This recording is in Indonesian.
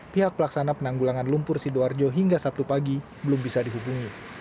pihak pelaksana penanggulangan lumpur sidoarjo hingga sabtu pagi belum bisa dihubungi